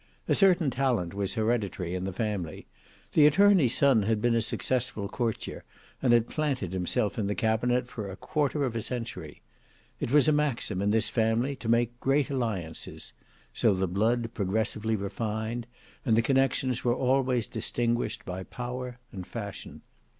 A certain talent was hereditary in the family. The attorney's son had been a successful courtier, and had planted himself in the cabinet for a quarter of a century. It was a maxim in this family to make great alliances; so the blood progressively refined, and the connections were always distinguished by power and fashion.